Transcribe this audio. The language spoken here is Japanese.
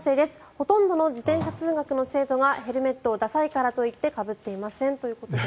ほとんどの自転車通学の生徒がヘルメットをダサいからと言ってかぶっていませんということです。